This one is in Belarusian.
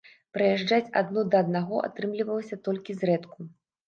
Прыязджаць адно да аднаго атрымлівалася толькі зрэдку.